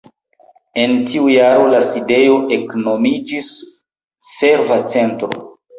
En tiu jaro la sidejo eknomiĝis "Serva Centro".